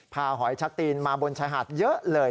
หอยชักตีนมาบนชายหาดเยอะเลย